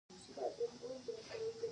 د پانګوالۍ ساده بیا ځلي تولید تشریح کوو